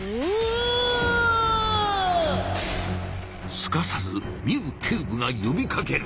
すかさずミウ警部がよびかける！